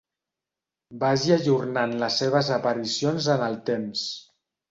Vagi ajornant les seves aparicions en el temps.